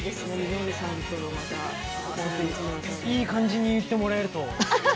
いい感じに言ってもらえると。